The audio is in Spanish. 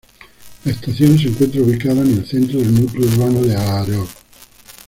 La estación se encuentra ubicada en el centro del núcleo urbano de Aarau.